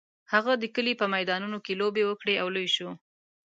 هغه د کلي په میدانونو کې لوبې وکړې او لوی شو.